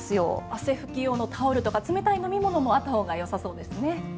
汗拭き用のタオルとか冷たい飲み物もあったほうがよさそうですね。